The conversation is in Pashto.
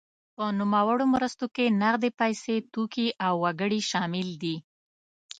په نوموړو مرستو کې نغدې پیسې، توکي او وګړي شامل دي.